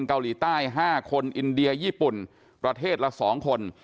เกาหลีใต้๕คนอินเดียญี่ปุ่นประเทศละ๒คน